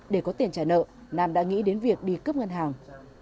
để có tiền trả nợ nam đã nghĩ đến việc đi cướp ngân hàng